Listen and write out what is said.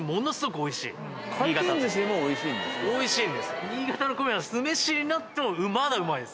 おいしいんです。